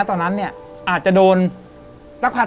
แต่ขอให้เรียนจบปริญญาตรีก่อน